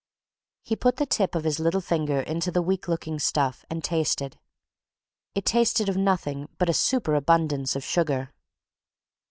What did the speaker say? He put the tip of his little finger into the weak looking stuff, and tasted it tasted of nothing but a super abundance of sugar.